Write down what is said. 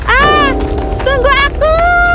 ah tunggu aku